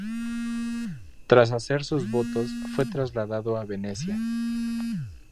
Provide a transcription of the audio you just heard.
Tras hacer sus votos, fue trasladado a Venecia.